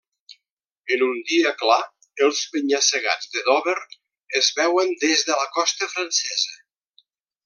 En un dia clar els penya-segats de Dover es veuen des de la costa francesa.